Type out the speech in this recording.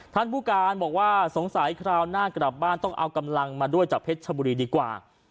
ท่านผู้การบอกว่าสงสัยคราวหน้ากลับบ้านต้องเอากำลังมาด้วยจากเพชรชบุรีดีกว่า